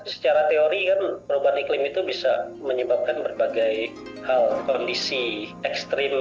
secara teori kan perubahan iklim itu bisa menyebabkan berbagai hal kondisi ekstrim